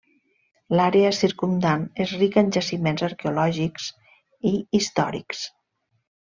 L'àrea circumdant és rica en jaciments arqueològics i històrics.